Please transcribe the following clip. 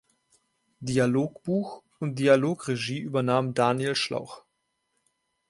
Dialogbuch und Dialogregie übernahm Daniel Schlauch.